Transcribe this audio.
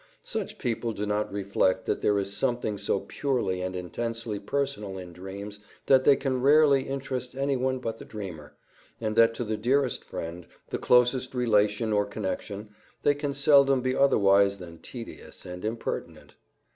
Such people do not reflect that there is something so purely and intensely personal in dreams that they can rarely interest anyone but the dreamer, and that to the dearest friend, the closest relation or connection, they can seldom be otherwise than tedious and impertinent.